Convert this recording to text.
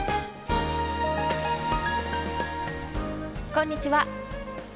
こんにちは。